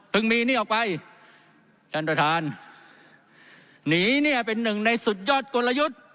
มีนี่ออกไปท่านประธานหนีเนี่ยเป็นหนึ่งในสุดยอดกลยุทธ์